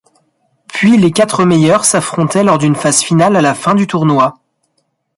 Puis les quatre meilleurs s'affrontaient lors d'une phase finale à la fin du tournoi.